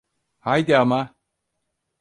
Haydi ama!